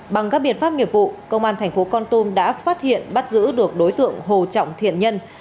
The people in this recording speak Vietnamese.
bằng các biện pháp nghiệp vụ công an thành phố con tum đã phát hiện bắt giữ được đối tượng hồ trọng thiện nhân